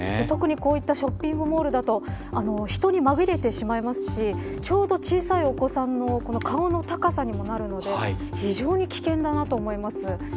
特にこうしたショッピングモールだと人に紛れてしまいますしちょうど小さいお子さんの顔の高さにもなるので非常に危険だなと思います。